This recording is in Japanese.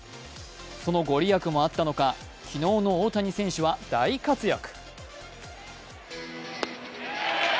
その御利益もあったのか、昨日の大谷選手は大活躍。